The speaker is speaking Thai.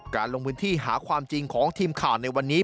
ลงพื้นที่หาความจริงของทีมข่าวในวันนี้